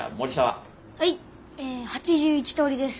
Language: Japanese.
はい８１通りです。